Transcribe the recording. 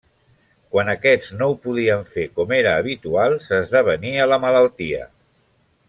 Quan aquests no ho podien fer com era habitual, s'esdevenia la malaltia.